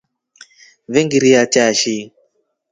Vengiriachashi.